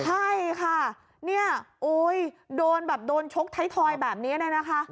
ใช่ค่ะโอ้ยโดนแบบโดนชกท้ายทอยแบบนี้แน่นะคะ